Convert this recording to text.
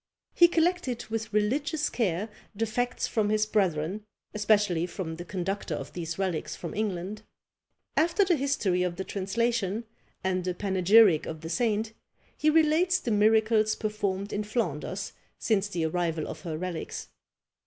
He collected with religious care the facts from his brethren, especially from the conductor of these relics from England. After the history of the translation, and a panegyric of the saint, he relates the miracles performed in Flanders since the arrival of her relics.